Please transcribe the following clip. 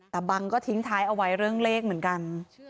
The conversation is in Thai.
แต่บังก็ทิ้งท้ายเอาไว้เรื่องเลขเหมือนกัน